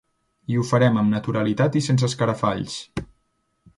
I ho farem amb naturalitat i sense escarafalls.